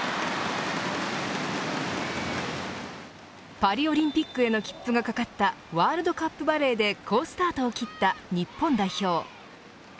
パリオリンピックへの切符のかかったワールドカップバレーで好スタートを切った日本代表。